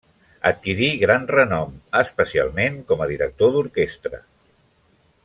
Adquirí gran renom, especialment com a director d'orquestra.